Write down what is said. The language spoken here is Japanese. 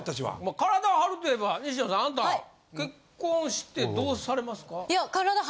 体を張ると言えば西野さんあなた結婚してどうされますか？